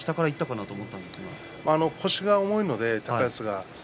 腰が重いので高安が。